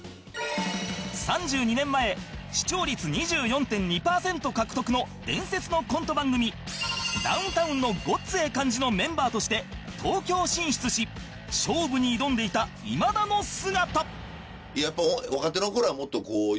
３２年前視聴率 ２４．２ パーセント獲得の伝説のコント番組『ダウンタウンのごっつええ感じ』のメンバーとして東京進出し勝負に挑んでいた今田の姿